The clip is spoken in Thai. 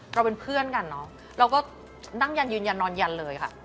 เราเป็นเพื่อนกันเนอะเราก็นั่งยันยืนยันนอนยันเลยค่ะ